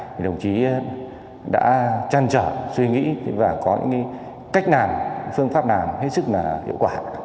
thì đồng chí đã trăn trở suy nghĩ và có những cách nàm phương pháp nàm hết sức hiệu quả